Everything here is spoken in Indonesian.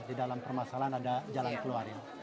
di dalam permasalahan ada jalan keluarin